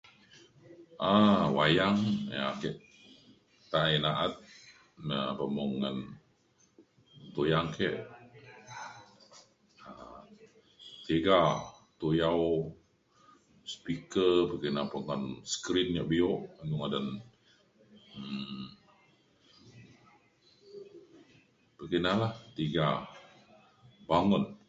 um Wayang ya' ake tai na'at um pemung ngan tuyang ke um tega tuyau speaker pekina pe ngan skrin ja biuk iu ngadan um bekinala tiga, bangen.